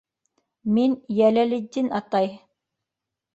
Мин, Йәләлетдин атай!